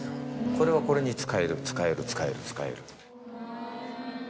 これはこれに使える使える使える使える。